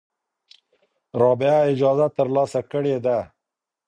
رابعه اجازه ترلاسه کړې ده.